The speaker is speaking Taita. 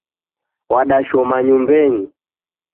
Wadashoma nyumbeni